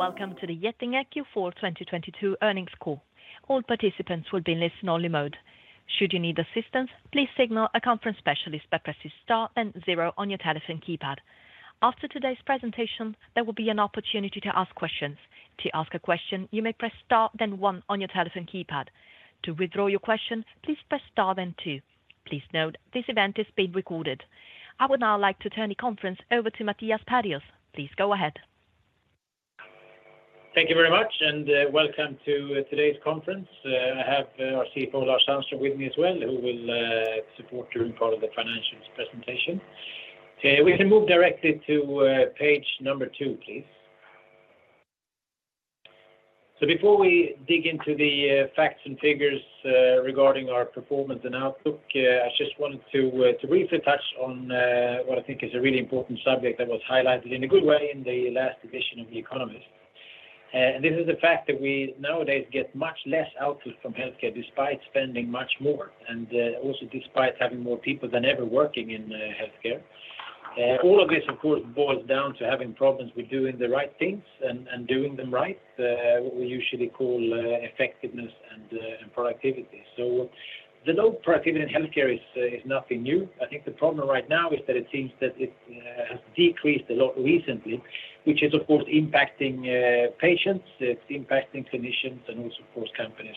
Welcome to the Getinge Q4 2022 earnings call. All participants will be in listen only mode. Should you need assistance, please signal a conference specialist by pressing star and zero on your telephone keypad. After today's presentation, there will be an opportunity to ask questions. To ask a question, you may press star, then one on your telephone keypad. To withdraw your question, please press star then two. Please note this event is being recorded. I would now like to turn the conference over to Mattias Perjos. Please go ahead. Thank you very much. Welcome to today's conference. I have our CFO, Lars Sandström, with me as well, who will support during part of the financials presentation. We can move directly to page two, please. Before we dig into the facts and figures regarding our performance and outlook, I just wanted to briefly touch on what I think is a really important subject that was highlighted in a good way in the last edition of The Economist. This is the fact that we nowadays get much less output from healthcare despite spending much more, and also despite having more people than ever working in healthcare. All of this, of course, boils down to having problems with doing the right things and doing them right. What we usually call effectiveness and productivity. The low productivity in healthcare is nothing new. I think the problem right now is that it has decreased a lot recently, which is of course impacting patients. It's impacting clinicians and also, of course, companies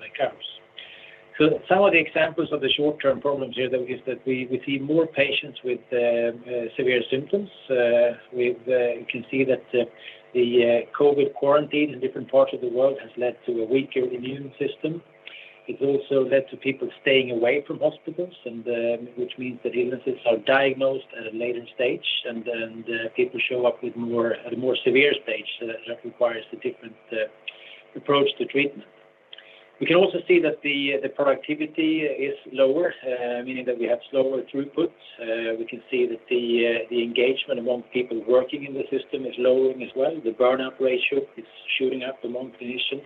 like ours. Some of the examples of the short-term problems here that is that we see more patients with severe symptoms. We've, you can see that the COVID quarantine in different parts of the world has led to a weaker immune system. It's also led to people staying away from hospitals and which means that illnesses are diagnosed at a later stage and then people show up with more at a more severe stage. That requires a different approach to treatment. We can also see that the productivity is lower, meaning that we have slower throughput. We can see that the engagement among people working in the system is lowering as well. The burnout ratio is shooting up among clinicians,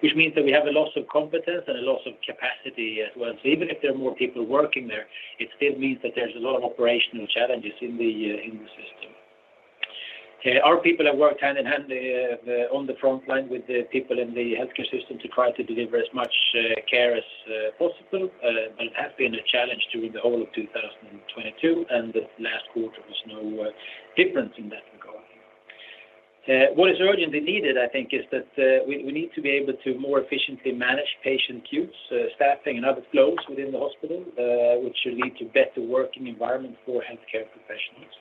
which means that we have a loss of competence and a loss of capacity as well. Even if there are more people working there, it still means that there's a lot of operational challenges in the system. Our people have worked hand in hand, on the frontline with the people in the healthcare system to try to deliver as much care as possible. It has been a challenge during the whole of 2022, and the last quarter was no different in that regard. What is urgently needed, I think, is that we need to be able to more efficiently manage patient queues, staffing and other flows within the hospital, which should lead to better working environment for healthcare professionals.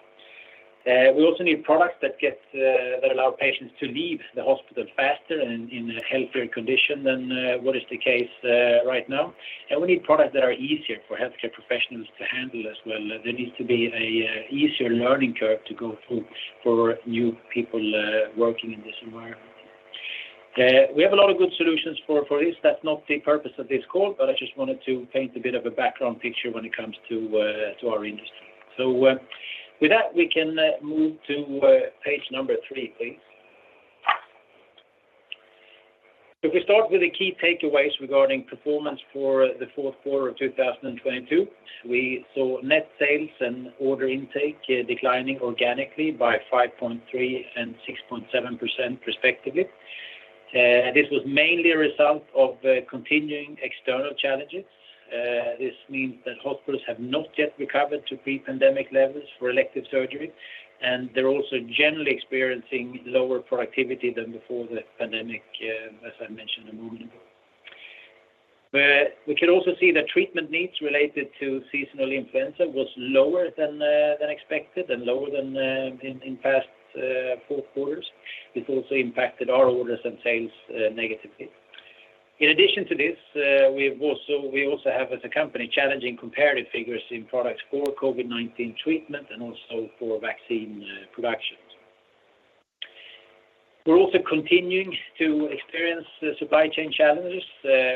We also need products that get that allow patients to leave the hospital faster and in a healthier condition than what is the case right now. We need products that are easier for healthcare professionals to handle as well. There needs to be a easier learning curve to go through for new people working in this environment. We have a lot of good solutions for this. That's not the purpose of this call, but I just wanted to paint a bit of a background picture when it comes to our industry. With that, we can move to page number three, please. If we start with the key takeaways regarding performance for the fourth quarter of 2022. We saw net sales and order intake declining organically by 5.3% and 6.7% respectively. This was mainly a result of continuing external challenges. This means that hospitals have not yet recovered to pre-pandemic levels for elective surgery, and they're also generally experiencing lower productivity than before the pandemic, as I mentioned a moment ago. We can also see that treatment needs related to seasonal influenza was lower than expected and lower than in past fourth quarters. This also impacted our orders and sales negatively. In addition to this, we also have, as a company, challenging comparative figures in products for COVID-19 treatment and also for vaccine productions. We're also continuing to experience the supply chain challenges,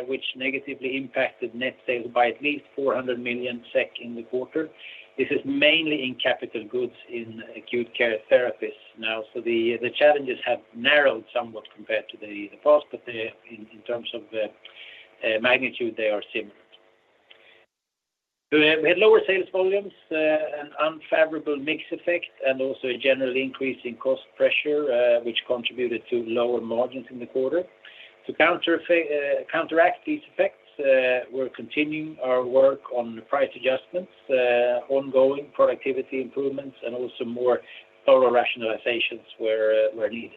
which negatively impacted net sales by at least 400 million SEK in the quarter. This is mainly in capital goods in Acute Care Therapies now. The challenges have narrowed somewhat compared to the past, but in terms of magnitude, they are similar. We had lower sales volumes, an unfavorable mix effect, and also a general increase in cost pressure, which contributed to lower margins in the quarter. To counteract these effects, we're continuing our work on price adjustments, ongoing productivity improvements, and also more thorough rationalizations where needed.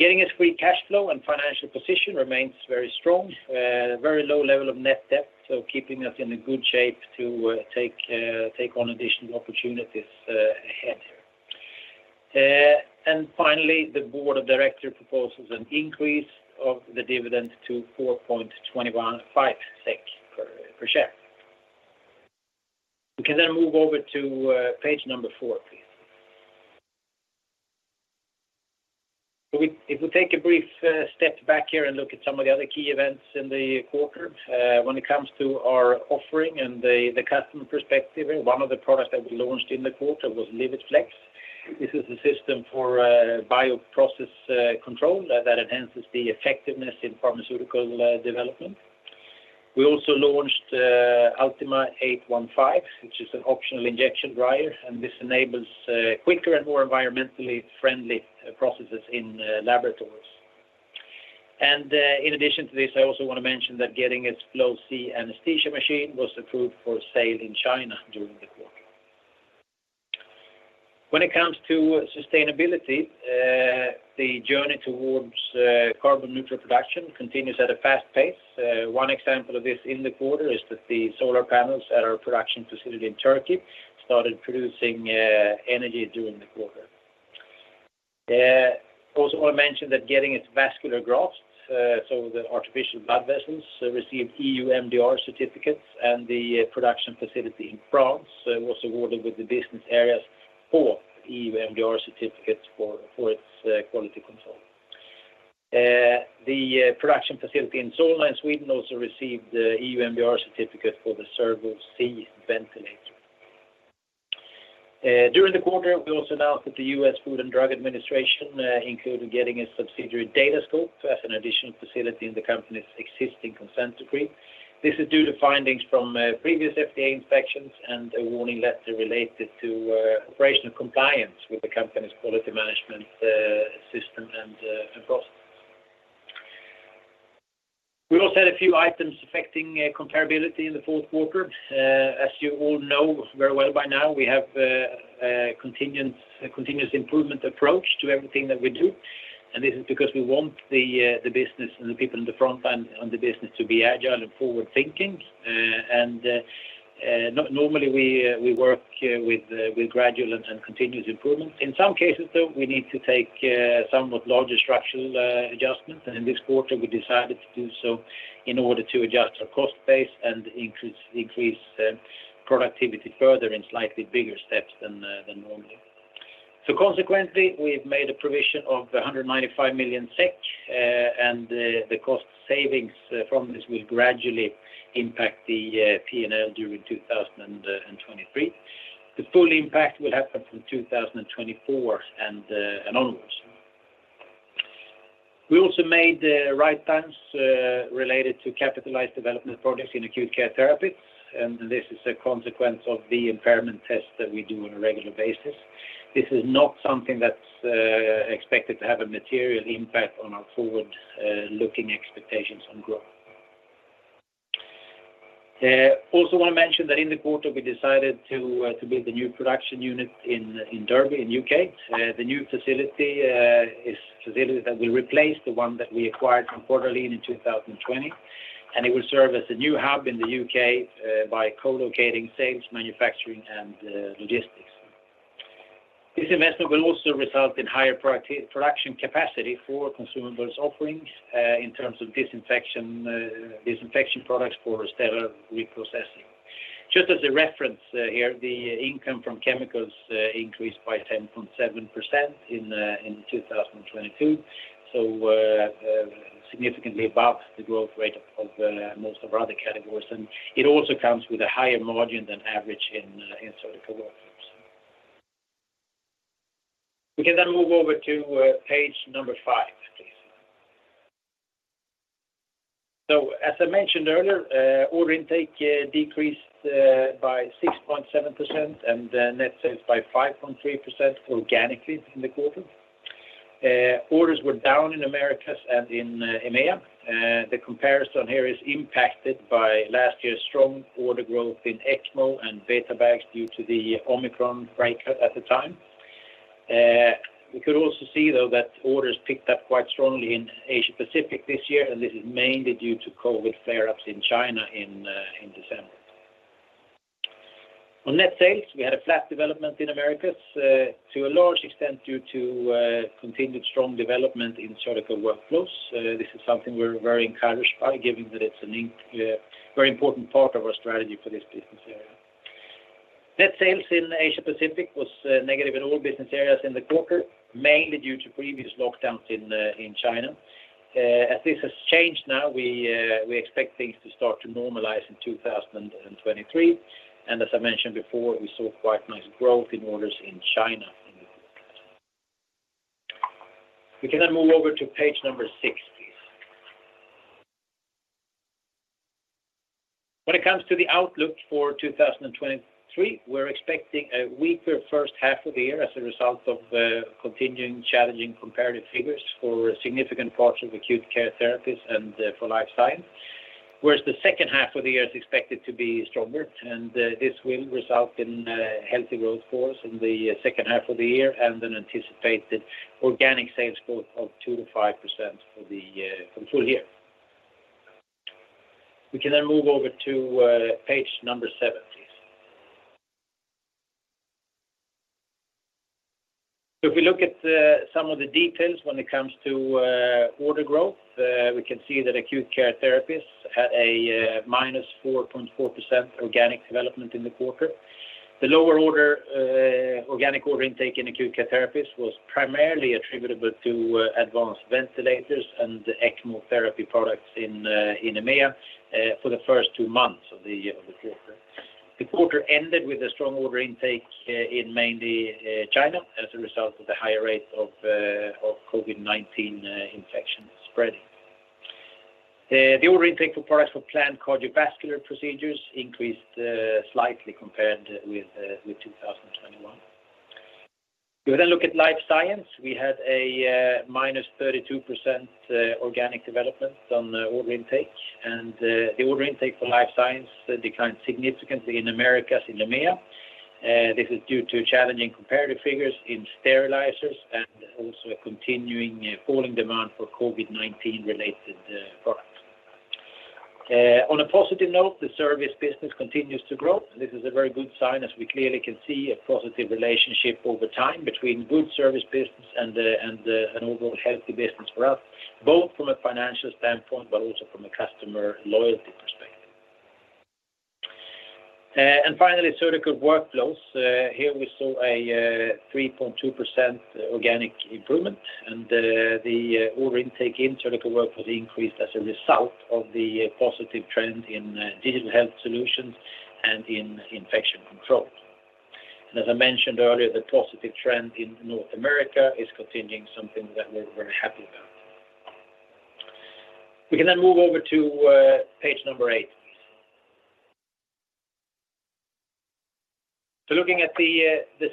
Getinge's free cash flow and financial position remains very strong. Very low level of net debt, keeping us in a good shape to take on additional opportunities ahead here. Finally, the Board of Directors proposes an increase of the dividend to 4.215 SEK per share. We can move over to page four, please. If we take a brief step back here and look at some of the other key events in the quarter. When it comes to our offering and the customer perspective, one of the products that we launched in the quarter was Livit FLEX. This is a system for bioprocess control that enhances the effectiveness in pharmaceutical development. We also launched Ultima 815, which is an optional injection dryer. This enables quicker and more environmentally friendly processes in laboratories. In addition to this, I also want to mention that Getinge's Flow-c anesthesia machine was approved for sale in China during the quarter. When it comes to sustainability, the journey towards carbon neutral production continues at a fast pace. One example of this in the quarter is that the solar panels at our production facility in Turkey started producing energy during the quarter. Also I want to mention that Getinge's vascular grafts, so the artificial blood vessels, received EU MDR certificates. The production facility in France was awarded with the business areas four EU MDR certificates for its quality control. The production facility in Solna, Sweden also received the EU MDR certificate for the Servo-c ventilator. During the quarter, we also announced that the U.S. Food and Drug Administration included Getinge subsidiary Datascope to add an additional facility in the company's existing consent decree. This is due to findings from previous FDA inspections and a warning letter related to operational compliance with the company's quality management system and process. We also had a few items affecting comparability in the fourth quarter. As you all know very well by now, we have a continuous improvement approach to everything that we do. This is because we want the business and the people in the front line on the business to be agile and forward-thinking. Normally, we work with gradual and continuous improvement. In some cases though, we need to take somewhat larger structural adjustments. In this quarter, we decided to do so in order to adjust our cost base and increase productivity further in slightly bigger steps than normally. Consequently, we've made a provision of 195 million SEK. The cost savings from this will gradually impact the P&L during 2023. The full impact will happen from 2024 and onwards. We also made write-downs related to capitalized development projects in Acute Care Therapies. This is a consequence of the impairment test that we do on a regular basis. This is not something that's expected to have a material impact on our forward-looking expectations on growth. Also wanna mention that in the quarter, we decided to build a new production unit in Derby, in U.K. The new facility is a facility that will replace the one that we acquired from Quadralene in 2020. It will serve as a new hub in the U.K. by co-locating sales, manufacturing, and logistics. This investment will also result in higher production capacity for consumables offerings in terms of disinfection products for sterile reprocessing. Just as a reference here, the income from chemicals increased by 10.7% in 2022, so significantly above the growth rate of most of our other categories. It also comes with a higher margin than average in Surgical Workflows. We can then move over to page number five, please. As I mentioned earlier, order intake decreased by 6.7% and net sales by 5.3% organically in the quarter. Orders were down in Americas and in EMEA. The comparison here is impacted by last year's strong order growth in ECMO and BetaBags due to the Omicron breakout at the time. We could also see though that orders picked up quite strongly in Asia-Pacific this year, and this is mainly due to COVID flare-ups in China in December. On net sales, we had a flat development in Americas to a large extent due to continued strong development in Surgical Workflows. This is something we're very encouraged by given that it's a very important part of our strategy for this business area. Net sales in Asia-Pacific was negative in all business areas in the quarter, mainly due to previous lockdowns in China. As this has changed now, we expect things to start to normalize in 2023. As I mentioned before, we saw quite nice growth in orders in China in the quarter. We can move over to page number six, please. When it comes to the outlook for 2023, we're expecting a weaker first half of the year as a result of continuing challenging comparative figures for a significant portion of Acute Care Therapies and for Life Science. The second half of the year is expected to be stronger, and this will result in a healthy growth for us in the second half of the year and an anticipated organic sales growth of 2%-5% for the full year. We can move over to page seven, please. If we look at some of the details when it comes to order growth, we can see that Acute Care Therapies had a -4.4% organic development in the quarter. The lower organic order intake in Acute Care Therapies was primarily attributable to advanced ventilators and ECMO therapy products in EMEA for the first two months of the quarter. The quarter ended with a strong order intake in mainly China as a result of the higher rate of COVID-19 infection spreading. The order intake for products for planned cardiovascular procedures increased slightly compared with 2021. If we then look at Life Science, we had a -32% organic development on the order intake. The order intake for Life Science declined significantly in Americas and EMEA. This is due to challenging comparative figures in sterilizers and also a continuing falling demand for COVID-19 related products. On a positive note, the service business continues to grow. This is a very good sign as we clearly can see a positive relationship over time between good service business and an overall healthy business for us, both from a financial standpoint, but also from a customer loyalty perspective. Finally, Surgical Workflows. Here we saw a 3.2% organic improvement. The order intake in Surgical Workflows increased as a result of the positive trend in digital health solutions and in infection control. As I mentioned earlier, the positive trend in North America is continuing, something that we're very happy about. We can then move over to page number eight. Looking at the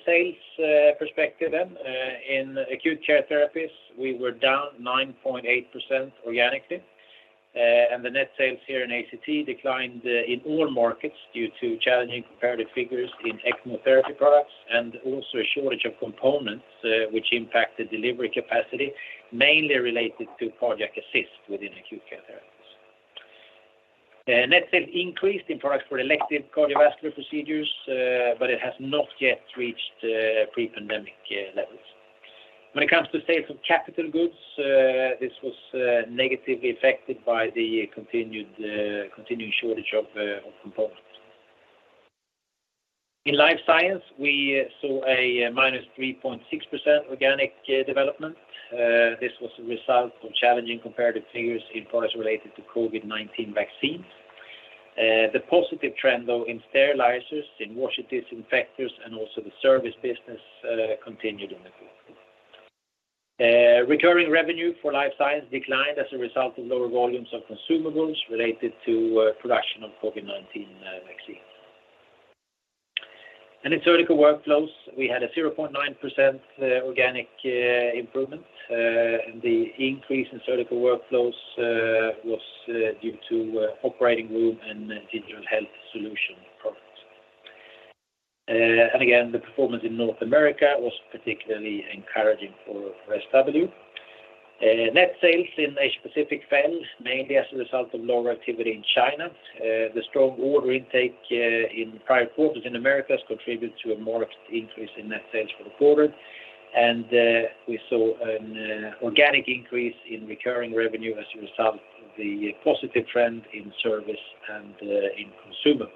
sales perspective in Acute Care Therapies, we were down 9.8% organically. The net sales here in ACT declined in all markets due to challenging comparative figures in ECMO therapy products and also a shortage of components, which impacted delivery capacity, mainly related to cardiac assist within Acute Care Therapies. Net sales increased in products for elective cardiovascular procedures, but it has not yet reached pre-pandemic levels. When it comes to sales of capital goods, this was negatively affected by the continued continuing shortage of components. In Life Science, we saw a minus 3.6% organic development. This was a result of challenging comparative figures in products related to COVID-19 vaccines. The positive trend though in sterilizers, in wash disinfectors, and also the service business continued in the quarter. Recurring revenue for Life Science declined as a result of lower volumes of consumables related to production of COVID-19 vaccines. In Surgical Workflows, we had a 0.9% organic improvement. The increase in Surgical Workflows was due to operating room and digital health solution products. Again, the performance in North America was particularly encouraging for SW. Net sales in Asia Pacific fell mainly as a result of lower activity in China. The strong order intake in prior quarters in Americas contributed to a modest increase in net sales for the quarter. We saw an organic increase in recurring revenue as a result of the positive trend in service and in consumables.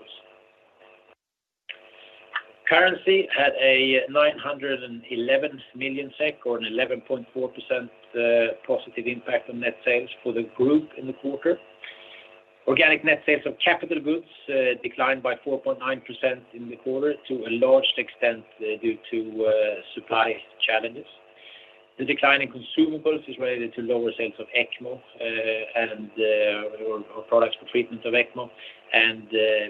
Currency had a 911 million SEK or an 11.4% positive impact on net sales for the group in the quarter. Organic net sales of capital goods declined by 4.9% in the quarter to a large extent due to supply challenges. The decline in consumables is related to lower sales of ECMO and or products for treatment of ECMO and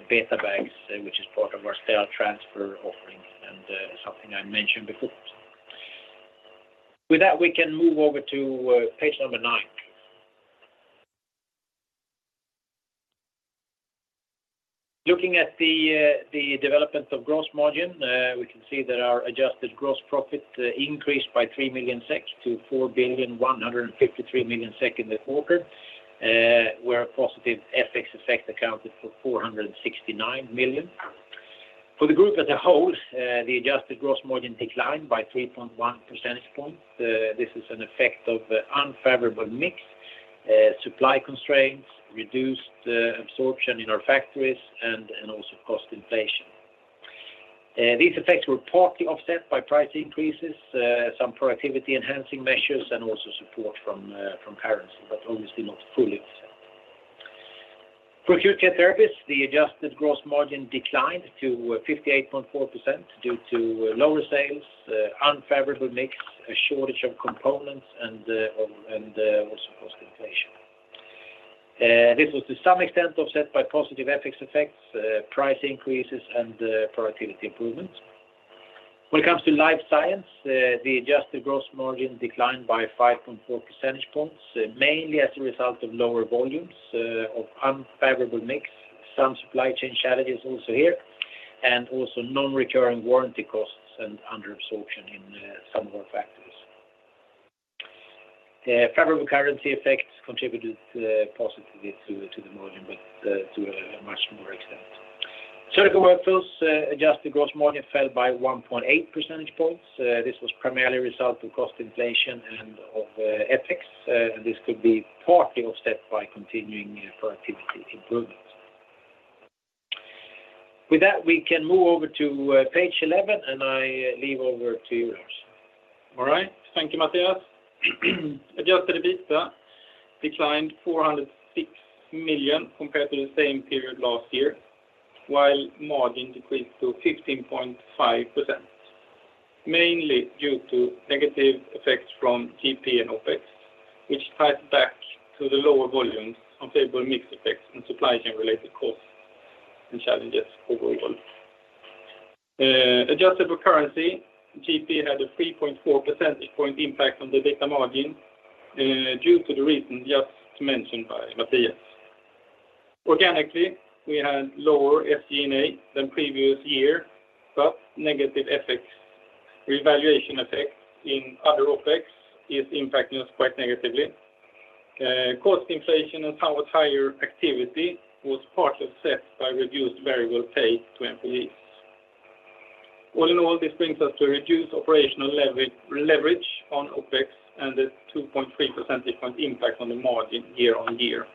BetaBags, which is part of our cell transfer offering, and something I mentioned before. With that, we can move over to page number nine. Looking at the development of gross margin, we can see that our adjusted gross profit increased by 3 million to 4,153 million SEK in the quarter, where a positive FX effect accounted for 469 million. For the group as a whole, the adjusted gross margin declined by 3.1-percentage-point. This is an effect of unfavorable mix, supply constraints, reduced absorption in our factories, and also cost inflation. These effects were partly offset by price increases, some productivity enhancing measures, and also support from currency, but obviously not fully offset. For Acute Care Therapies, the adjusted gross margin declined to 58.4% due to lower sales, unfavorable mix, a shortage of components and also cost inflation. This was to some extent offset by positive FX effects, price increases, and productivity improvements. When it comes to Life Science, the adjusted gross margin declined by 5.4-percentage-points, mainly as a result of lower volumes, of unfavorable mix, some supply chain challenges also here, and also non-recurring warranty costs and under absorption in some of our factories. Favorable currency effects contributed positively to the margin, but to a much more extent. Surgical Workflows, adjusted gross margin fell by 1.8-percentage-points. This was primarily a result of cost inflation and of FX. This could be partly offset by continuing productivity improvements. With that, we can move over to page 11, and I leave over to Lars. Right. Thank you, Mattias. Adjusted EBITDA declined 406 million compared to the same period last year, while margin decreased to 15.5%, mainly due to negative effects from GP and OpEx, which ties back to the lower volumes, unfavorable mix effects and supply chain related costs and challenges overall. Adjusted for currency, GP had a 3.4-percentage-point impact on the EBITDA margin due to the reasons just mentioned by Mattias. Organically, we had lower SG&A than previous year, negative FX revaluation effect in other OpEx is impacting us quite negatively. Cost inflation and somewhat higher activity was partly offset by reduced variable pay to employees. In all, this brings us to reduced operational leverage on OpEx and a 2.3-percentage-point impact on the margin year-on-year.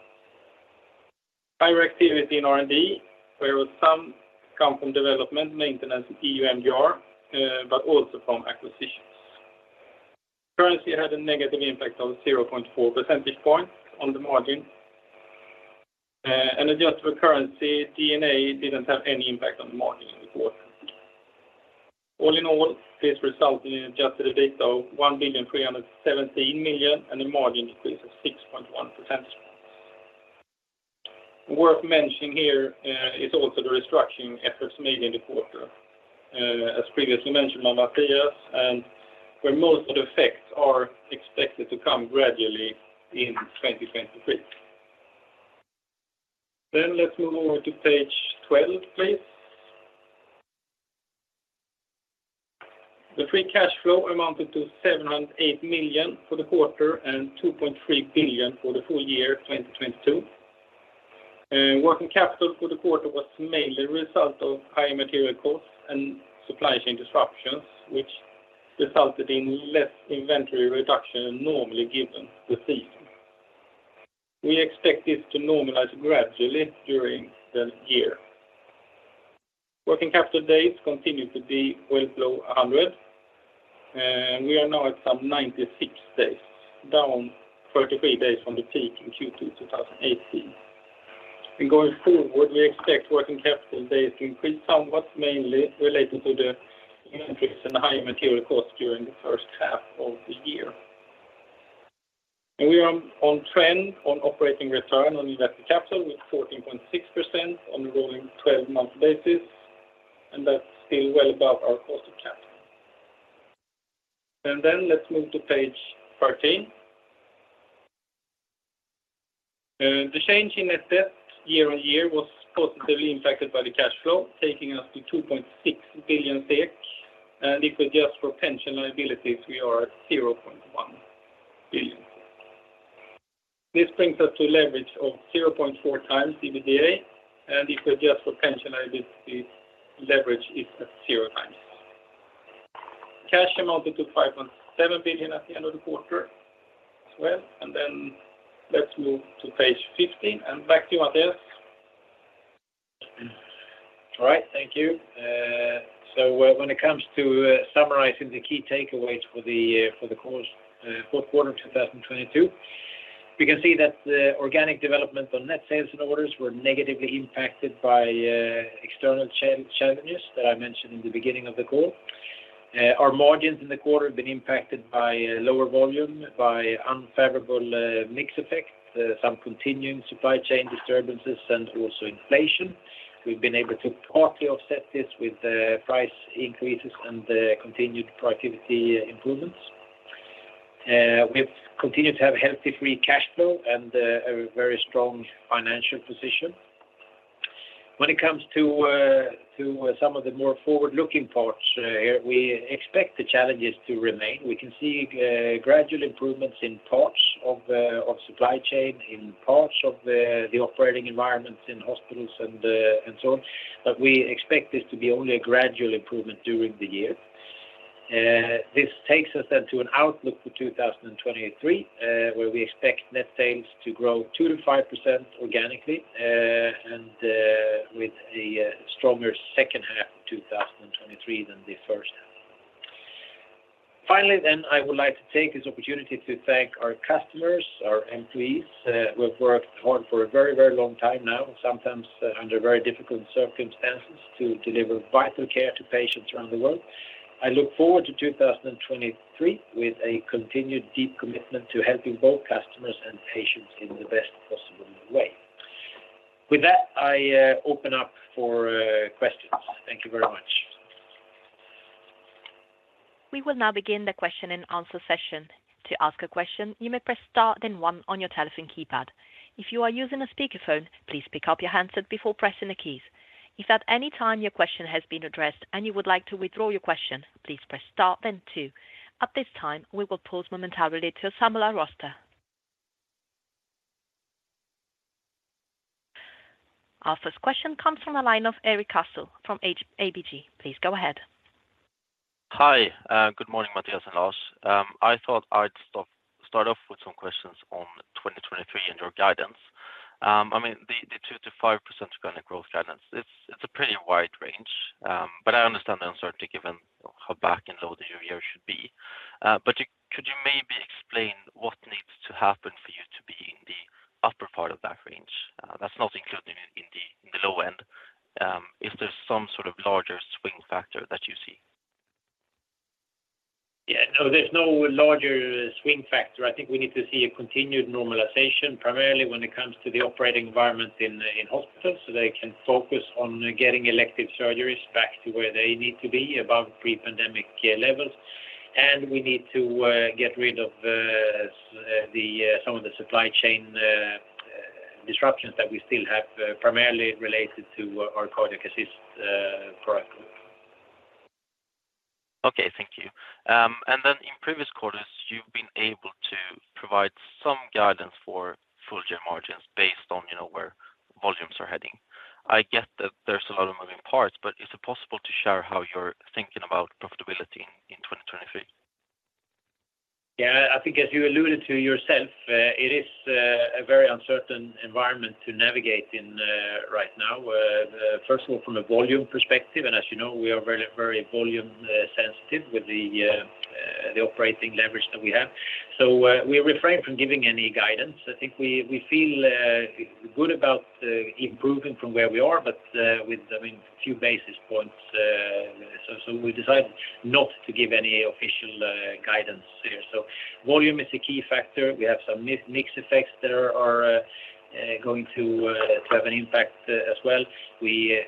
Higher activity in R&D, where some come from development, maintenance, EU MDR, but also from acquisitions. Currency had a negative impact of 0.4-percentage-points on the margin. Adjusted for currency, D&A didn't have any impact on the margin in the quarter. All in all, this resulted in adjusted EBITDA of 1.317 billion, and the margin decreased to 6.1%. Worth mentioning here, is also the restructuring efforts made in the quarter, as previously mentioned by Mattias, and where most of the effects are expected to come gradually in 2023. Let's move over to page 12, please. The free cash flow amounted to 708 million for the quarter and 2.3 billion for the full year 2022. Working capital for the quarter was mainly a result of high material costs and supply chain disruptions, which resulted in less inventory reduction than normally given the season. We expect this to normalize gradually during the year. Working capital days continue to be well below 100, and we are now at some 96 days, down 33 days from the peak in Q2 2018. Going forward, we expect working capital days to increase somewhat, mainly relating to the inventories and high material costs during the first half of the year. We are on trend on operating return on invested capital with 14.6% on a rolling 12-month basis, and that's still well above our cost of capital. Let's move to page 13. The change in net debt year-over-year was positively impacted by the cash flow, taking us to 2.6 billion. If we adjust for pension liabilities, we are at 0.1 billion. This brings us to a leverage of 0.4x EBITDA. If we adjust for pension liabilities, leverage is at 0x. Cash amounted to 5.7 billion at the end of the quarter as well. Let's move to page 15. Back to you, Mattias. All right. Thank you. When it comes to summarizing the key takeaways for the quarter, fourth quarter of 2022, we can see that the organic development on net sales and orders were negatively impacted by external challenges that I mentioned in the beginning of the call. Our margins in the quarter have been impacted by lower volume, by unfavorable mix effect, some continuing supply chain disturbances and also inflation. We've been able to partly offset this with price increases and continued productivity improvements. We've continued to have healthy free cash flow and a very strong financial position. When it comes to some of the more forward-looking parts, we expect the challenges to remain. We can see gradual improvements in parts of supply chain, in parts of the operating environments in hospitals and so on. We expect this to be only a gradual improvement during the year. This takes us to an outlook for 2023, where we expect net sales to grow 2%-5% organically, and with a stronger second half of 2023 than the first half. Finally, I would like to take this opportunity to thank our customers, our employees, who have worked hard for a very, very long time now, sometimes under very difficult circumstances, to deliver vital care to patients around the world. I look forward to 2023 with a continued deep commitment to helping both customers and patients in the best possible way. With that, I open up for questions. Thank you very much. We will now begin the question and answer session. To ask a question, you may press star then one on your telephone keypad. If you are using a speakerphone, please pick up your handset before pressing the keys. If at any time your question has been addressed and you would like to withdraw your question, please press star then two. At this time, we will pause momentarily to assemble our roster. Our first question comes from the line of Erik Cassel from ABG. Please go ahead. Hi. Good morning, Mattias and Lars. I thought I'd start off with some questions on 2023 and your guidance. I mean, the 2%-5% organic growth guidance, it's a pretty wide range. I understand the uncertainty given how back end load the year should be. Could you maybe explain what needs to happen for you to be in the upper part of that range? That's not included in the low end. If there's some sort of larger swing factor that you see. No, there's no larger swing factor. I think we need to see a continued normalization primarily when it comes to the operating environment in hospitals so they can focus on getting elective surgeries back to where they need to be above pre-pandemic levels. We need to get rid of some of the supply chain disruptions that we still have primarily related to our cardiac assist product. Okay. Thank you. In previous quarters, you've been able to provide some guidance for full year margins based on, you know, where volumes are heading. I get that there's a lot of moving parts. Is it possible to share how you're thinking about profitability in 2023? I think as you alluded to yourself, it is a very uncertain environment to navigate in right now. First of all, from a volume perspective, and as you know, we are very, very volume sensitive with the operating leverage that we have. We refrain from giving any guidance. I think we feel good about improving from where we are. With, I mean, a few basis points, we decide not to give any official guidance here. Volume is a key factor. We have some mix effects that are going to have an impact as well. We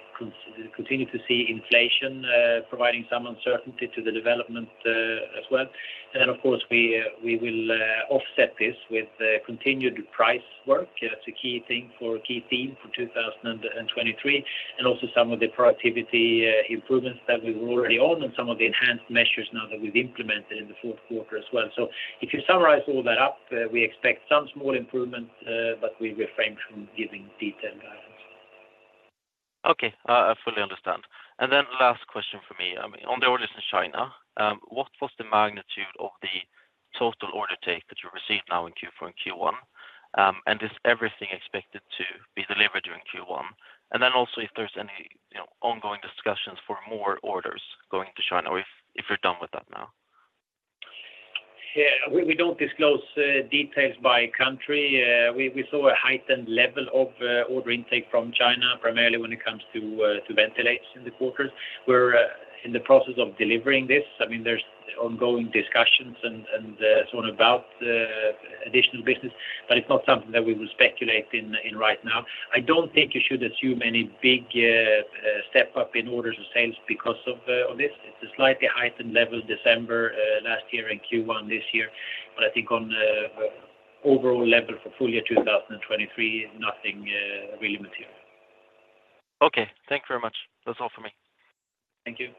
continue to see inflation providing some uncertainty to the development as well. Of course, we will offset this with continued price work. That's a key theme for 2023. Also some of the productivity improvements that we've already on, and some of the enhanced measures now that we've implemented in the fourth quarter as well. If you summarize all that up, we expect some small improvement, we refrain from giving detailed guidance. Okay. I fully understand. Last question for me. I mean, on the orders in China, what was the magnitude of the total order take that you received now in Q4 and Q1? Is everything expected to be delivered during Q1? Also, if there's any, you know, ongoing discussions for more orders going to China or if you're done with that now? Yeah. We don't disclose details by country. We saw a heightened level of order intake from China, primarily when it comes to ventilators in the quarters. We're in the process of delivering this. I mean, there's ongoing discussions and sort about additional business, but it's not something that we will speculate in right now. I don't think you should assume any big step up in orders of sales because of this. It's a slightly heightened level December last year in Q1 this year. I think on the overall level for full year 2023, nothing really material. Okay. Thank you very much. That's all for me. Thank you.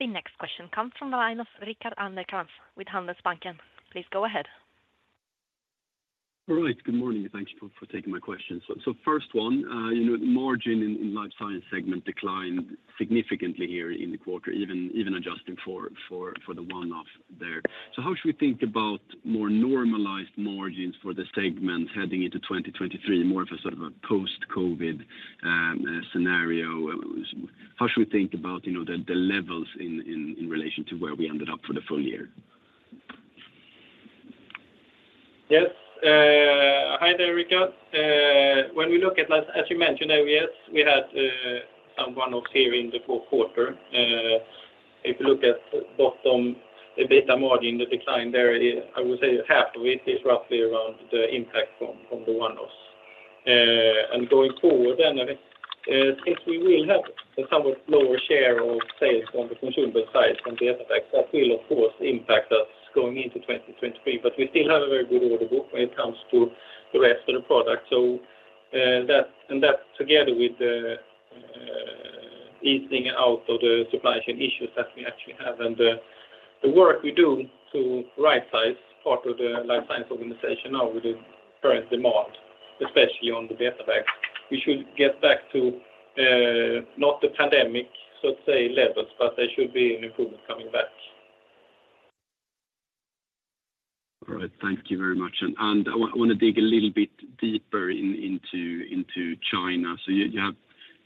The next question comes from the line of Rickard Anderkrans with Handelsbanken. Please go ahead. All right. Good morning. Thank you for taking my questions. So first one, you know, the margin in Life Science segment declined significantly here in the quarter, even adjusting for the one-off there. How should we think about more normalized margins for the segment heading into 2023? More of a sort of a post-COVID scenario. How should we think about, you know, the levels in relation to where we ended up for the full year? Yes. Hi there, Rickard. When we look at last, as you mentioned, we had some one-offs here in the fourth quarter. If you look at bottom EBITDA margin, the decline there is, I would say half of it is roughly around the impact from the one-offs. And going forward then, I think, since we will have a somewhat lower share of sales on the consumable side from the effect, that will of course impact us going into 2023. We still have a very good order book when it comes to the rest of the product. That, and that together with the easing out of the supply chain issues that we actually have and the work we do to right-size part of the Life Science organization now with the current demand, especially on the BetaBag. We should get back to, not the pandemic, so let's say levels, but there should be an improvement coming back. Thank you very much. I wanna dig a little bit deeper into China. You have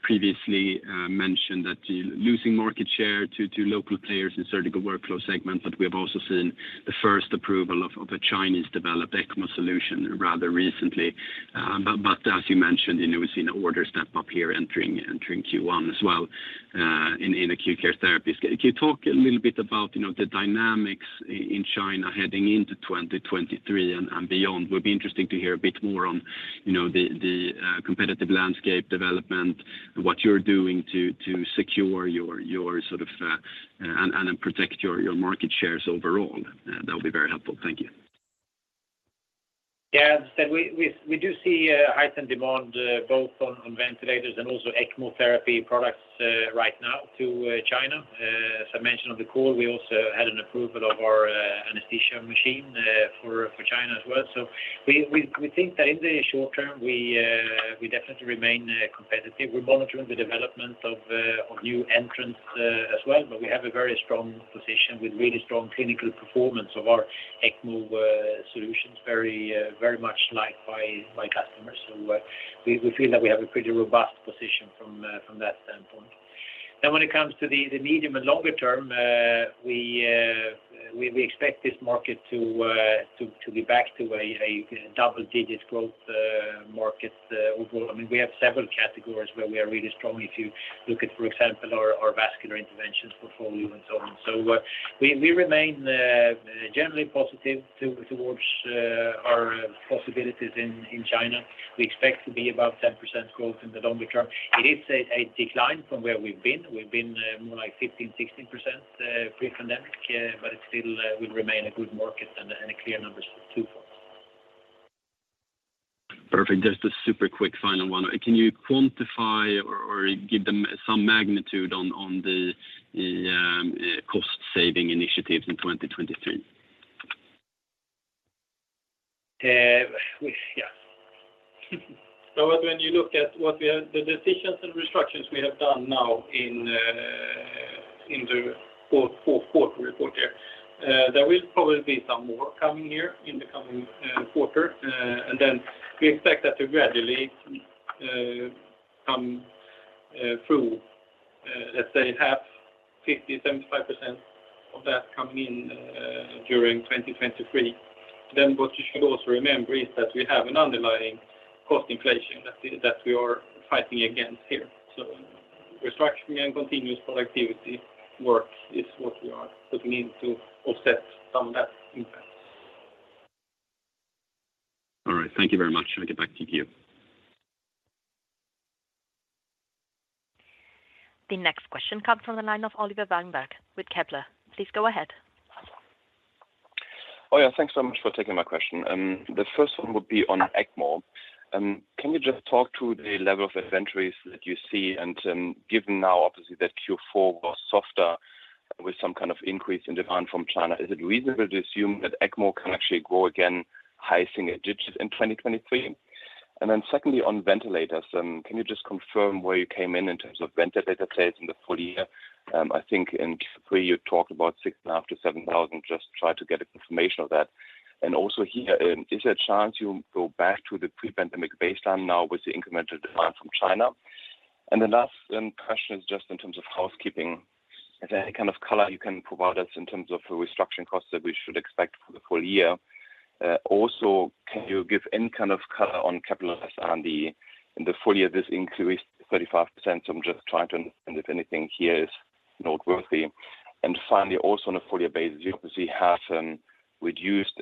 previously mentioned that you're losing market share to local players in Surgical Workflows segment, but we have also seen the first approval of a Chinese developed ECMO solution rather recently. But as you mentioned, you know, we've seen order step up here entering Q1 as well, in Acute Care Therapies. Can you talk a little bit about, you know, the dynamics in China heading into 2023 and beyond? Would be interesting to hear a bit more on, you know, the competitive landscape development, what you're doing to secure your sort of and protect your market shares overall. That would be very helpful. Thank you. As said, we do see a heightened demand both on ventilators and also ECMO therapy products right now to China. As I mentioned on the call, we also had an approval of our anesthesia machine for China as well. We think that in the short term we definitely remain competitive. We're monitoring the development of new entrants as well, but we have a very strong position with really strong clinical performance of our ECMO solutions very much liked by customers. We feel that we have a pretty robust position from that standpoint. When it comes to the medium and longer term, we expect this market to be back to a double-digit growth market overall. I mean, we have several categories where we are really strong if you look at, for example, our vascular interventions portfolio and so on. We remain generally positive towards our possibilities in China. We expect to be about 10% growth in the longer term. It is a decline from where we've been. We've been more like 15%-16% pre-pandemic, but it still will remain a good market and a clear number to follow. Perfect. Just a super quick final one. Can you quantify or give them some magnitude on the cost saving initiatives in 2023? Yeah. When you look at the decisions and restructures we have done now in the fourth quarter report here, there will probably be some more coming here in the coming quarter. We expect that to gradually come through, let's say half, 50%, 75% of that coming in during 2023. What you should also remember is that we have an underlying cost inflation that we are fighting against here. Restructuring and continuous productivity work is what we are putting in to offset some of that impact. All right. Thank you very much. I'll get back to you. The next question comes from the line of Oliver Reinberg with Kepler. Please go ahead. Yeah. Thanks so much for taking my question. The first one would be on ECMO. Can you just talk to the level of inventories that you see? Given now obviously that Q4 was softer with some kind of increase in demand from China, is it reasonable to assume that ECMO can actually grow again high single digits in 2023? Secondly, on ventilators, can you just confirm where you came in in terms of ventilator sales in the full year? I think in Q3 you talked about 6,500 to 7,000. Just try to get a confirmation of that. Here, is there a chance you go back to the pre-pandemic baseline now with the incremental demand from China? The last question is just in terms of housekeeping. Is there any kind of color you can provide us in terms of the restructuring costs that we should expect for the full year? Also, can you give any kind of color on capital S&D in the full year? This increased 35%, so I'm just trying to understand if anything here is noteworthy. Finally, also on a full year basis, you obviously had reduced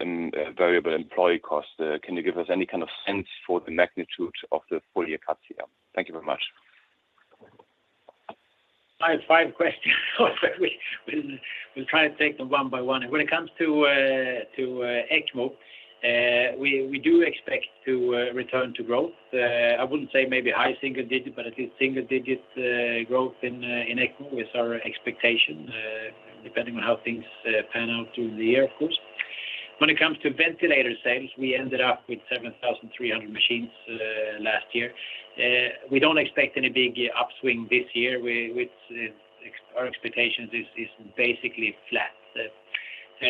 variable employee costs. Can you give us any kind of sense for the magnitude of the full year cuts here? Thank you very much. I have five questions. We'll try and take them one by one. When it comes to ECMO, we do expect to return to growth. I wouldn't say maybe high single digit, but at least single digit growth in ECMO is our expectation, depending on how things pan out during the year, of course. When it comes to ventilator sales, we ended up with 7,300 machines last year. We don't expect any big upswing this year. Our expectations is basically flat.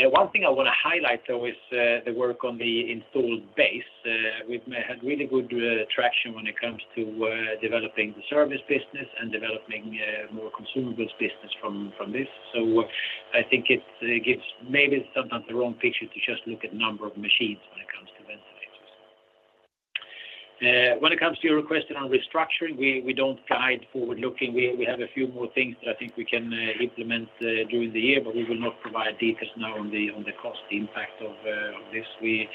One thing I wanna highlight though is the work on the installed base. We've had really good traction when it comes to developing the service business and developing a more consumables business from this. I think it's gives maybe sometimes the wrong picture to just look at number of machines when it comes to ventilators. When it comes to your request on restructuring, we don't guide forward looking. We have a few more things that I think we can implement during the year, but we will not provide details now on the cost impact of this. We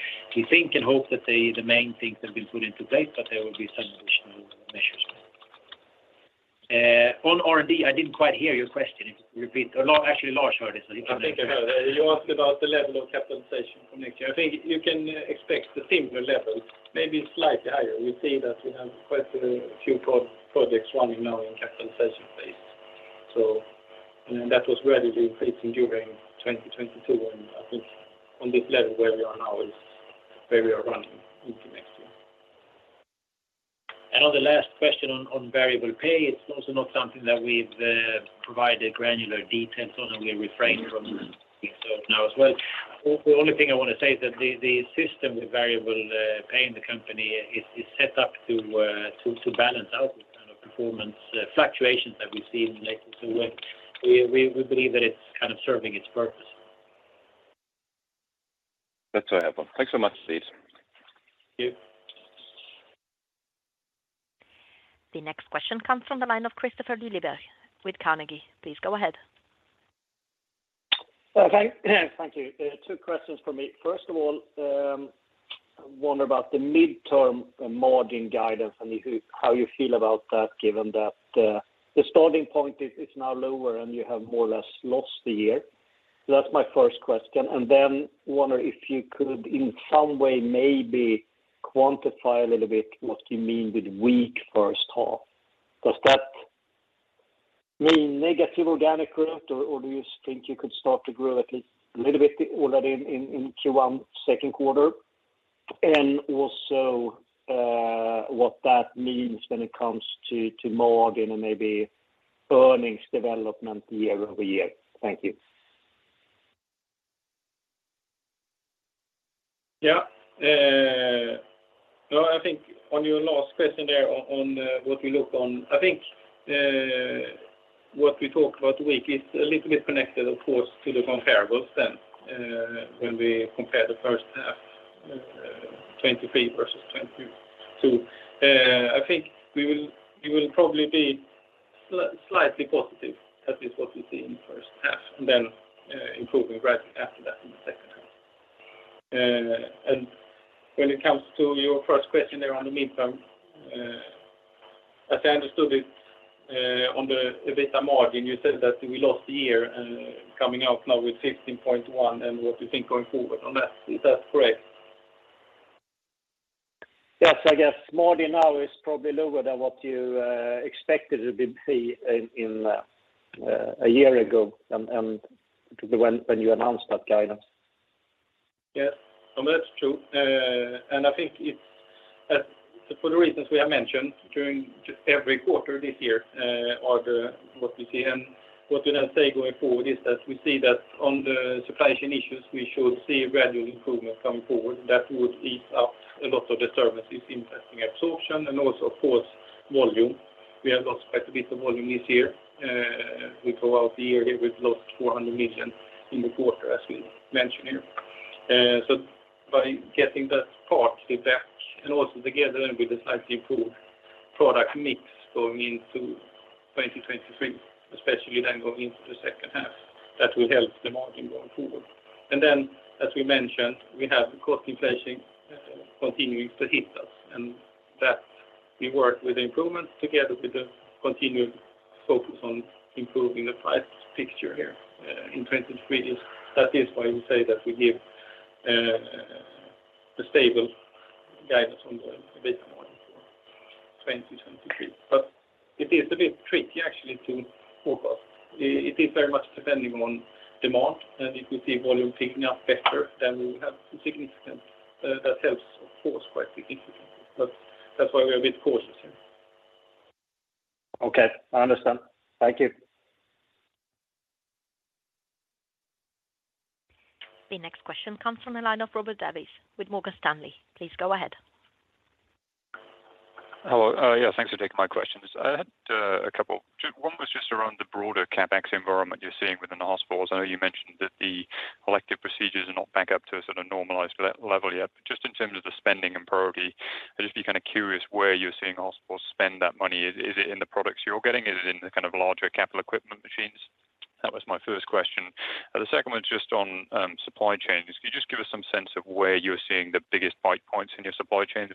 think and hope that the main things have been put into place, but there will be some additional measures. On R&D, I didn't quite hear your question. If you repeat. Or actually Lars heard it. I think I heard. You asked about the level of capitalization for next year. I think you can expect a similar level, maybe slightly higher. We see that we have quite a few pro-projects running now in capitalization phase. That was gradually increasing during 2022, and I think on this level where we are now is where we are running into next year. On the last question on variable pay, it's also not something that we've provided granular details on, and we refrain from doing so now as well. The only thing I wanna say is that the system with variable pay in the company is set up to balance out the kind of performance fluctuations that we've seen lately. We believe that it's kind of serving its purpose. That's all I have on. Thanks so much. Cheers. Thank you. The next question comes from the line of Kristofer Liljeberg with Carnegie. Please go ahead. Well, thank you. Two questions from me. First of all, one about the midterm margin guidance and how you feel about that given that the starting point is now lower and you have more or less lost the year. That's my first question. Then wonder if you could in some way maybe quantify a little bit what you mean with weak first half. Does that mean negative organic growth or do you think you could start to grow at least a little bit already in Q1 second quarter? Also, what that means when it comes to margin and maybe earnings development year-over-year. Thank you. No, I think on your last question there on what we looked on, I think what we talked about weak is a little bit connected of course to the comparables then, when we compare the first half 2023 versus 2022. I think we will probably be slightly positive, at least what we see in the first half, and then improving gradually after that in the second half. And when it comes to your first question there on the midterm, as I understood it, on the EBITDA margin, you said that we lost a year and coming out now with 16.1% and what you think going forward on that. Is that correct? Yes. I guess margin now is probably lower than what you expected it to be in a year ago and to the when you announced that guidance. No, that's true. I think it's for the reasons we have mentioned during just every quarter this year, are the what we see. What we now say going forward is that we see that on the supply chain issues, we should see gradual improvement coming forward that would ease up a lot of disturbances impacting absorption and also of course volume. We have lost quite a bit of volume this year. We go out the year here, we've lost 400 million in the quarter as we mentioned here. By getting that part back and also together with a slightly improved product mix going into 2023, especially then going into the second half, that will help the margin going forward. Then as we mentioned, we have the cost inflation continuing to hit us, and that we work with improvements together with the continued focus on improving the price picture here in 2023. That is why we say that we give a stable guidance on the EBITDA margin for 2023. It is a bit tricky actually to forecast. It is very much depending on demand. If we see volume picking up better, then we will have significant that helps of course quite significantly. That's why we are a bit cautious here. Okay. I understand. Thank you. The next question comes from the line of Robert Davis with Morgan Stanley. Please go ahead. Hello. Yeah, thanks for taking my questions. I have a couple. Just one was just around the broader CapEx environment you're seeing within the hospitals. I know you mentioned that the elective procedures are not back up to a sort of normalized level yet. In terms of the spending and priority, I'd be kind of curious where you're seeing hospitals spend that money. Is it in the products you're getting? Is it in the kind of larger capital equipment machines? That was my first question. The second one's just on supply chains. Could you just give us some sense of where you're seeing the biggest bite points in your supply chains?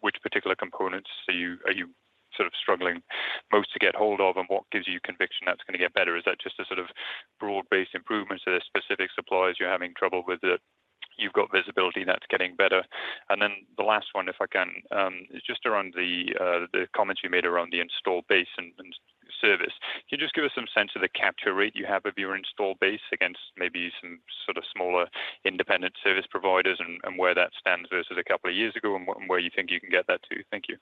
Which particular components are you sort of struggling most to get hold of, and what gives you conviction that's gonna get better? Is that just a sort of broad-based improvement? There's specific suppliers you're having trouble with that you've got visibility that's getting better. The last one, if I can, is just around the comments you made around the installed base and service. Can you just give us some sense of the capture rate you have of your installed base against maybe some sort of smaller independent service providers and where you think you can get that to? Thank you.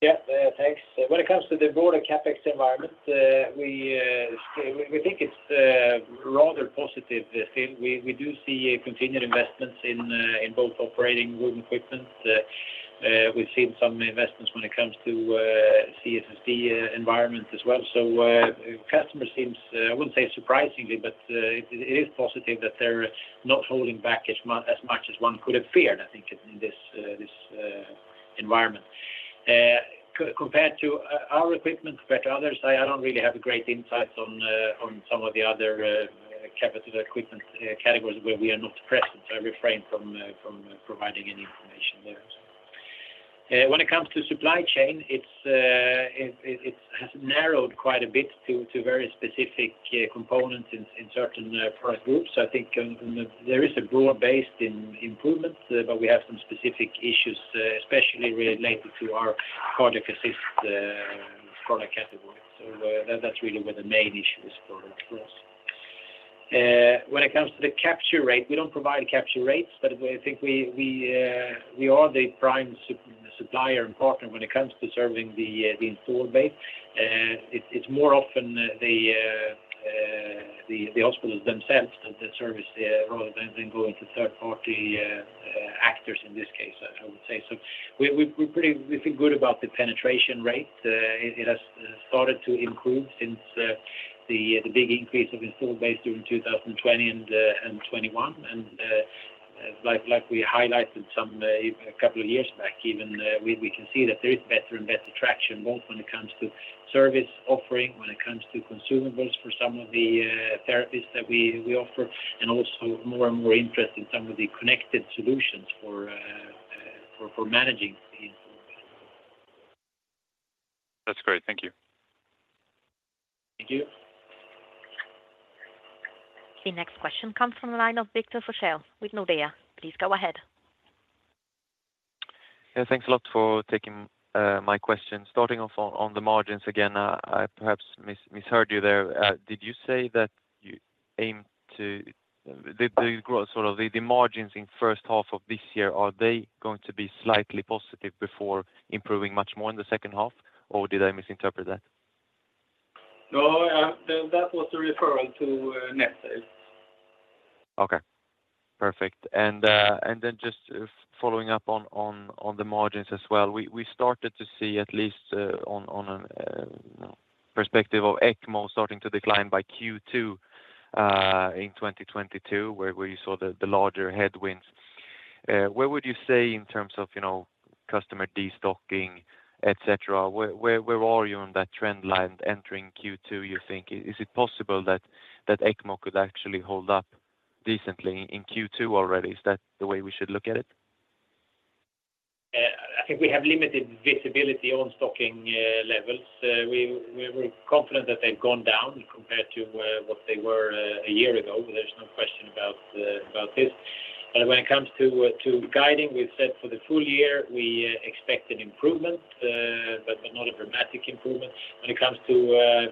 Yeah. Thanks. When it comes to the broader CapEx environment, we think it's rather positive still. We do see continued investments in both operating room equipment. We've seen some investments when it comes to CSSD environment as well. Customer seems, I wouldn't say surprisingly, but it is positive that they're not holding back as much as one could have feared, I think in this environment. Compared to our equipment compared to others, I don't really have a great insight on some of the other capital equipment categories where we are not present. I refrain from providing any information there. When it comes to supply chain, it's, it has narrowed quite a bit to very specific components in certain product groups. I think there is a broad based in improvements, but we have some specific issues, especially related to our Project Assist product category. That's really where the main issue is for us. When it comes to the capture rate, we don't provide capture rates. I think we are the prime supplier and partner when it comes to serving the installed base. It's more often the hospitals themselves that service, rather than going to third party actors in this case, I would say. We feel good about the penetration rate. It has started to improve since the big increase of installed base during 2020 and 2021. Like we highlighted some a couple of years back even, we can see that there is better and better traction, both when it comes to service offering, when it comes to consumables for some of the therapies that we offer, and also more and more interest in some of the connected solutions for managing. That's great. Thank you. Thank you. The next question comes from the line of Victor Forssell with Nordea. Please go ahead. Yeah, thanks a lot for taking my question. Starting off on the margins again, I perhaps misheard you there. Did you say that you aim to... Sort of the margins in first half of this year, are they going to be slightly positive before improving much more in the second half, or did I misinterpret that? No, that was a referral to net sales. Okay. Perfect. Then just following up on the margins as well, we started to see at least on perspective of ECMO starting to decline by Q2 in 2022, where you saw the larger headwinds. Where would you say in terms of, you know, customer destocking, et cetera, where are you on that trend line entering Q2 you think? Is it possible that ECMO could actually hold up decently in Q2 already? Is that the way we should look at it? I think we have limited visibility on stocking levels. We're confident that they've gone down compared to what they were a year ago. There's no question about this. When it comes to guiding, we've said for the full year we expect an improvement, but not a dramatic improvement. When it comes to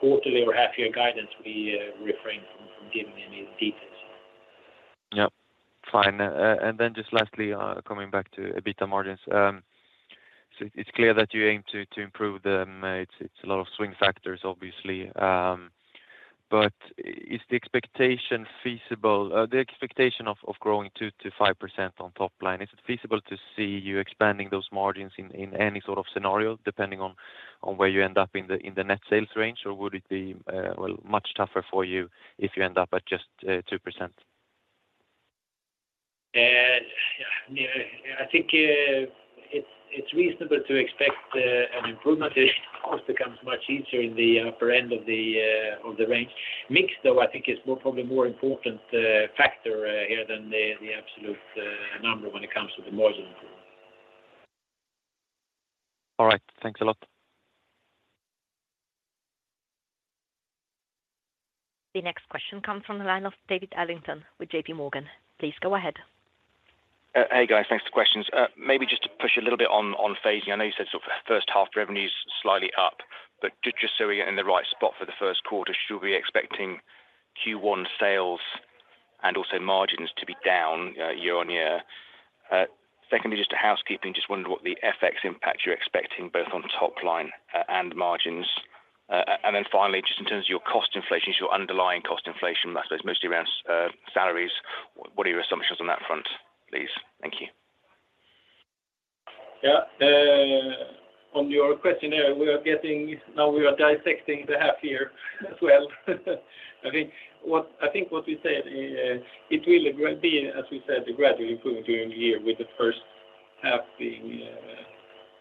quarterly or half-year guidance, we refrain from giving any details. Yep. Fine. Just lastly, coming back to EBITDA margins. It's clear that you aim to improve them. It's a lot of swing factors, obviously. But is the expectation feasible? The expectation of growing 2%-5% on top line, is it feasible to see you expanding those margins in any sort of scenario, depending on where you end up in the net sales range? Or would it be, well, much tougher for you if you end up at just 2%? I think it's reasonable to expect an improvement. It of course becomes much easier in the upper end of the range. Mix, though, I think is probably more important factor here than the absolute number when it comes to the margin improvement. All right. Thanks a lot. The next question comes from the line of David Adlington with JPMorgan. Please go ahead. Hey, guys. Thanks for the questions. Maybe just to push a little bit on phasing. I know you said sort of first half revenues slightly up, but just so we get in the right spot for the first quarter, should we be expecting Q1 sales and also margins to be down, year-on-year? Secondly, just a housekeeping, just wondered what the FX impact you're expecting both on top line and margins. Finally, just in terms of your cost inflation, your underlying cost inflation, I suppose mostly around salaries, what are your assumptions on that front, please? Thank you. Yeah. On your questionnaire, now we are dissecting the half year as well. I think what we said, it will be, as we said, gradually improving during the year with the first half being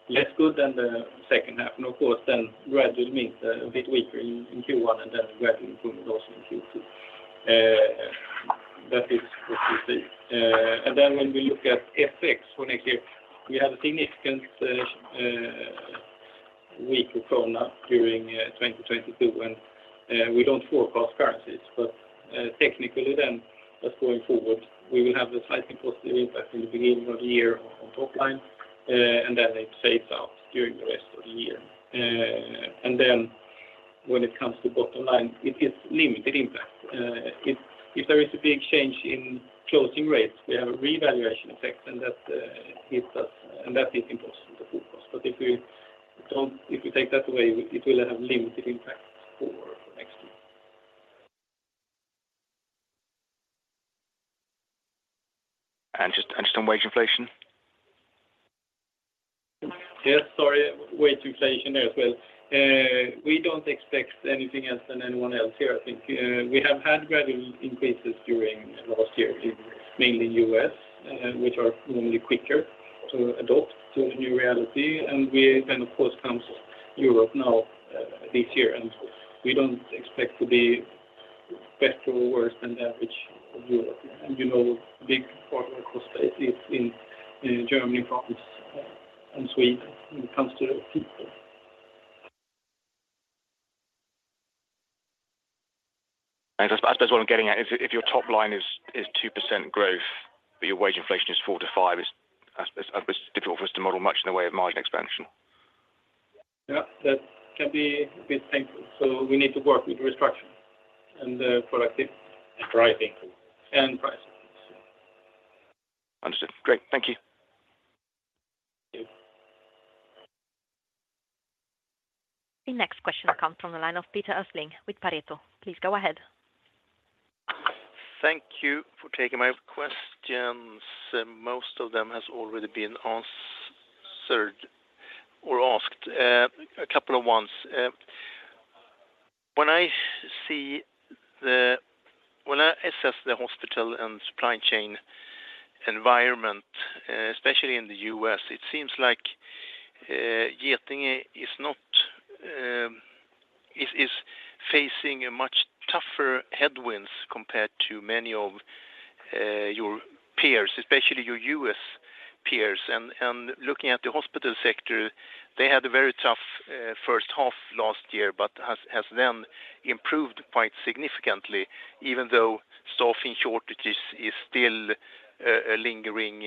less good than the second half. Of course then gradual means a bit weaker in Q1 and then gradual improvement also in Q2. That is what we see. Then when we look at FX, when actually we have a significant weak krona during 2022 and we don't forecast currencies. Technically then just going forward, we will have a slightly positive impact in the beginning of the year on top line, then it fades out during the rest of the year. Then when it comes to bottom line, it is limited impact. If there is a big change in closing rates, we have a revaluation effect, and that hits us, and that is impossible to forecast. If we take that away, it will have limited impact for next year. Just on wage inflation? Yes, sorry. Wage inflation as well. We don't expect anything else than anyone else here. I think, we have had gradual increases during last year in mainly U.S., which are normally quicker to adopt to a new reality. We then of course comes Europe now, this year, and we don't expect to be better or worse than average of Europe. You know big part of our cost base is in Germany, France, and Sweden when it comes to people. I suppose what I'm getting at is if your top line is 2% growth, but your wage inflation is 4%-5% is, I suppose difficult for us to model much in the way of margin expansion. Yeah. That can be a bit painful. We need to work with restructuring and Price increase. Price increase. Understood. Great. Thank you. Thank you. The next question comes from the line of Peter Östling with Pareto. Please go ahead. Thank you for taking my questions. Most of them has already been answered or asked. A couple of ones. When I assess the hospital and supply chain environment, especially in the U.S., it seems like Getinge is facing a much tougher headwinds compared to many of your peers, especially your U.S. peers. Looking at the hospital sector, they had a very tough first half last year, but has then improved quite significantly, even though staffing shortages is still a lingering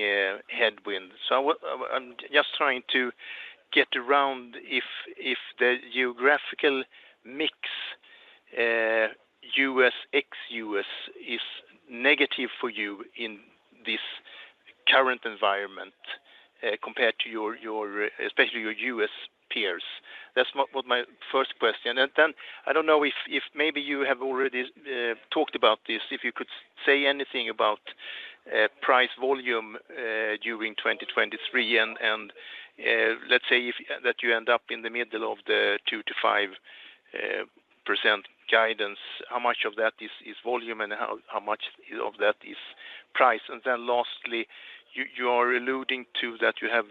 headwind. What... I'm just trying to get around if the geographical mix, U.S., ex-U.S. is negative for you in this current environment, compared to your, especially your U.S. peers? That was my first question. I don't know if maybe you have already talked about this, if you could say anything about price volume during 2023 and, let's say if that you end up in the middle of the 2%-5% guidance. How much of that is volume and how much of that is price? Lastly, you are alluding to that you have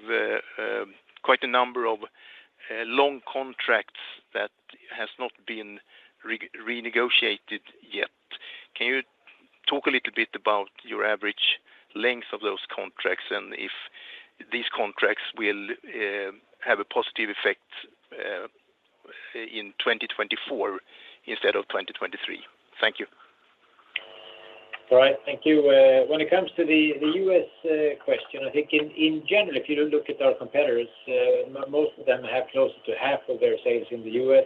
quite a number of long contracts that has not been renegotiated yet. Can you talk a little bit about your average length of those contracts and if these contracts will have a positive effect in 2024 instead of 2023? Thank you. All right. Thank you. When it comes to the U.S. question, I think in general, if you look at our competitors, most of them have close to half of their sales in the U.S.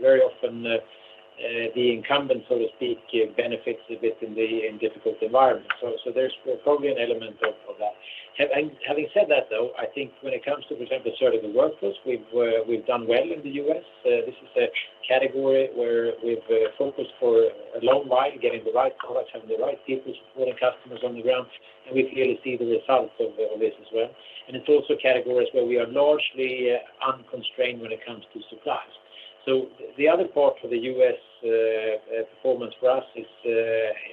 Very often, the incumbent, so to speak, benefits a bit in the difficult environment. There's probably an element of that. Having said that, though, I think when it comes to, for example, Surgical Workflows, we've done well in the U.S. This is a category where we've focused for a long while getting the right products, having the right people supporting customers on the ground, and we clearly see the results of all this as well. It's also categories where we are largely unconstrained when it comes to supplies. The other part for the U.S. performance for us is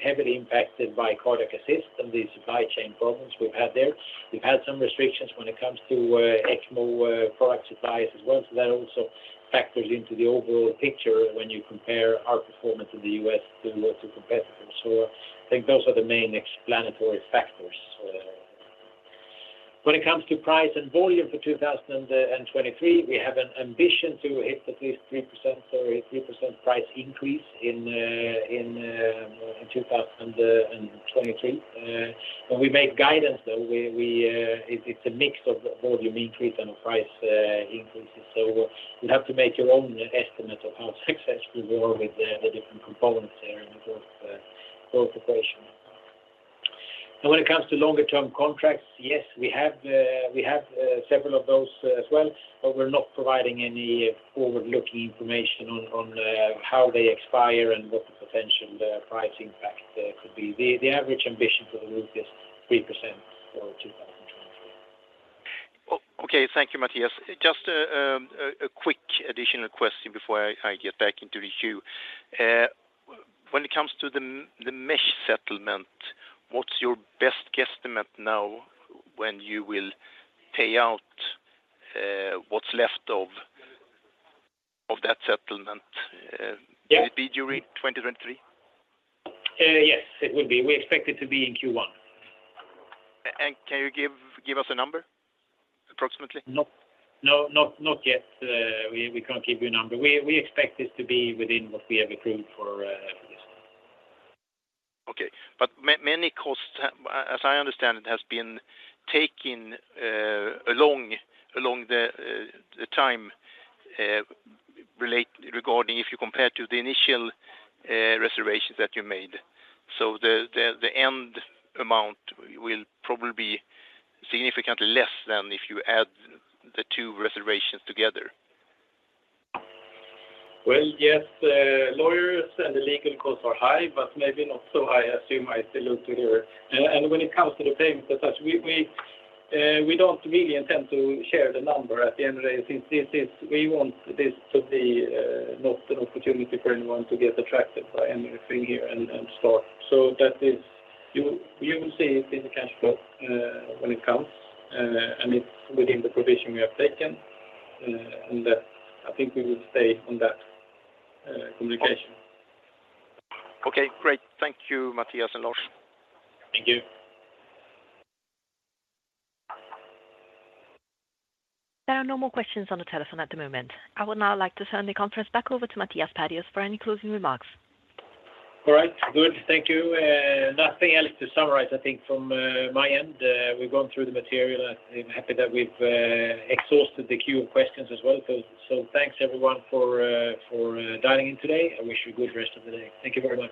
heavily impacted by cardiac assist and the supply chain problems we've had there. We've had some restrictions when it comes to ECMO product supplies as well, so that also factors into the overall picture when you compare our performance in the U.S. to competitors. I think those are the main explanatory factors. When it comes to price and volume for 2023, we have an ambition to hit at least 3% price increase in 2023. When we make guidance, though, it's a mix of volume increase and price increases. You'd have to make your own estimate of how successful we were with the different components there in the growth equation. When it comes to longer term contracts, yes, we have several of those as well, but we're not providing any forward-looking information on how they expire and what the potential price impact could be. The average ambition for the group is 3% for 2024. Okay. Thank you, Mattias. Just a quick additional question before I get back into the queue. When it comes to the mesh settlement, what's your best guesstimate now when you will pay out what's left of that settlement? Yeah. Will it be during 2023? Yes, it will be. We expect it to be in Q1. Can you give us a number approximately? No. Not yet. We can't give you a number. We expect it to be within what we have accrued for for this. Okay. Many costs as I understand it, has been taken along the time, relate regarding if you compare to the initial reservations that you made. The end amount will probably be significantly less than if you add the two reservations together. Well, yes, lawyers and the legal costs are high, maybe not so high as you might allude to here. When it comes to the payments as such, we don't really intend to share the number at the end of the day. We want this to be not an opportunity for anyone to get attracted by anything here and start. You will see it in the cash flow when it comes. I mean, within the provision we have taken. That I think we will stay on that communication. Okay, great. Thank you, Mattias and Lars. Thank you. There are no more questions on the telephone at the moment. I would now like to turn the conference back over to Mattias Perjos for any closing remarks. All right. Good. Thank you. nothing else to summarize, I think from my end. We've gone through the material. I'm happy that we've exhausted the queue of questions as well. Thanks everyone for dialing in today. I wish you good rest of the day. Thank you very much.